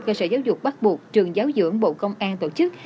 cơ sở giáo dục bắt buộc trường giáo dưỡng bộ công an tổ chức